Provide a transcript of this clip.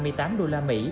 là mức tăng ba mỗi năm